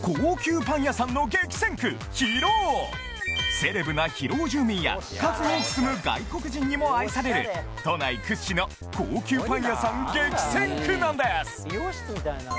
セレブな広尾住民や数多く住む都内屈指の高級パン屋さん激戦区なんです！